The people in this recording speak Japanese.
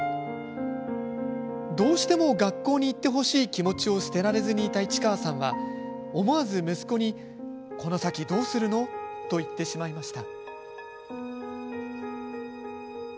どうしても学校に行ってほしい気持ちを捨てられずにいた市川さんは思わず息子にこの先どうするの？と言ってしまいました。